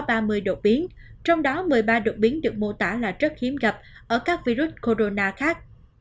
có ba mươi đột biến trong đó một mươi ba đột biến được mô tả là rất hiếm gặp ở các virus corona khác